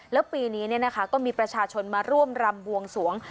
แล้วปีนี้เนี่ยนะคะก็มีประชาชนมาร่วมรำบวงสวง